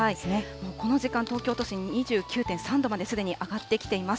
もうこの時間、東京都心、２９．３度まで、すでに上がってきています。